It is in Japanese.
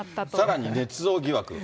さらにねつ造疑惑。